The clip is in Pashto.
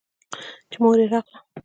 چې مور يې راغله.